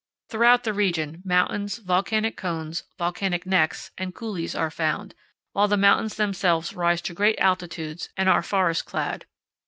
Throughout the region mountains, volcanic cones, volcanic necks, and coulees are found, while the mountains themselves rise to great altitudes and are forest clad.